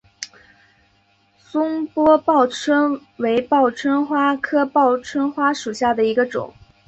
松潘报春为报春花科报春花属下的一个种。